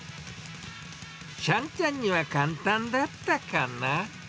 しゃんちゃんには簡単だったかな。